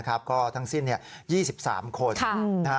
ก็ทั้งสิ้น๒๓คน